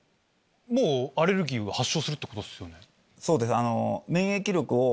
もうアレルギーは発症するってことですよね？